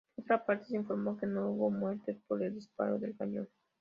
Por otra parte se informó que no hubo muertes por el disparo del cañón.